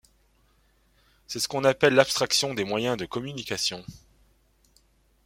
C'est ce qu'on appelle l'abstraction des moyens de communication.